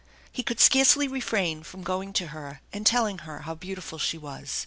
He could scarcely refrain from going to her and telling her how beautiful she was.